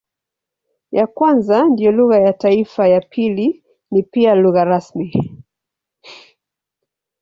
Ya kwanza ndiyo lugha ya taifa, ya pili ni pia lugha rasmi.